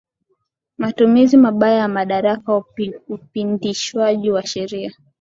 Matumizi mabaya ya madaraka upindishwaji wa sheria